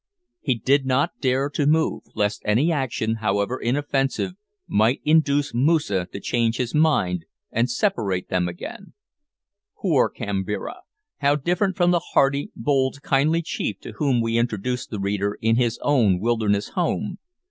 He did not dare to move, lest any action, however inoffensive, might induce Moosa to change his mind and separate them again. Poor Kambira! How different from the hearty, bold, kindly chief to whom we introduced the reader in his own wilderness home!